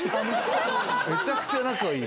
めちゃくちゃ仲いい。